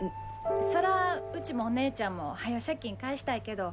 そらうちもお姉ちゃんもはよ借金返したいけど。